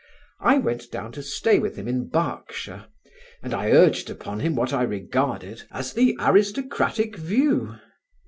I went down to stay with him in Berkshire, and I urged upon him what I regarded as the aristocratic view.